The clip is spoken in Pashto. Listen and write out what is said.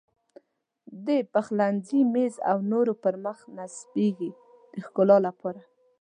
د پخلنځي میز او نورو پر مخ نصبېږي د ښکلا لپاره.